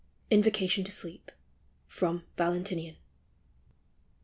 INVOCATION TO SLEEP. FROM " VALEXTIXIAX."